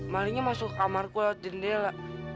malingnya masuk kamarku lewat jendela